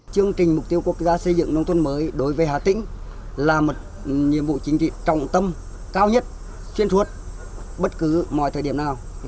chương trình mục tiêu quốc gia xây dựng nông thôn mới đối với hà tĩnh là một nhiệm vụ chính trị trọng tâm cao nhất xuyên suốt bất cứ mọi thời điểm nào